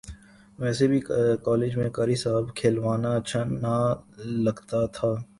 ویسے بھی کالج میں قاری صاحب کہلوانا اچھا نہ لگتا تھا